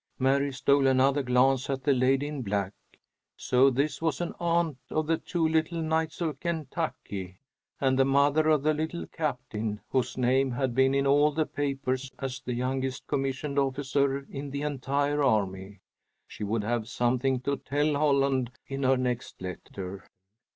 Mary stole another glance at the lady in black. So this was an aunt of the two little knights of Kentucky, and the mother of the "Little Captain," whose name had been in all the papers as the youngest commissioned officer in the entire army. She would have something to tell Holland in her next letter.